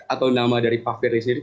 atau nama dari pak firly sendiri